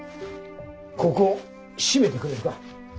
ここ締めてくれるか。